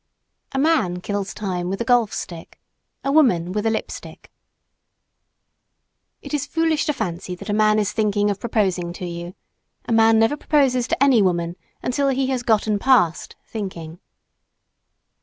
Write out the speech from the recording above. A man kills time with a golf stick; a woman with a lip stick. It is foolish to fancy that a man is thinking of proposing to you; a man never proposes to any woman, until he has gotten past "thinking."